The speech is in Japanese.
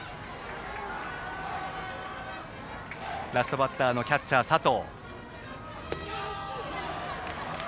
ラストバッターのキャッチャー佐藤。